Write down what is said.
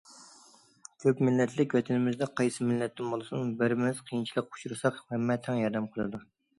كۆپ مىللەتلىك ۋەتىنىمىزدە قايسى مىللەتتىن بولسۇن، بىرىمىز قىيىنچىلىققا ئۇچرىساق، ھەممە تەڭ ياردەم قىلىدۇ.